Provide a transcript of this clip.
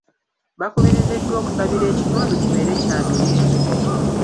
Bakubiriziddwa okusabira ekitundu kibeere kya mirembe.